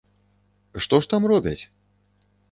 Што ж там робяць?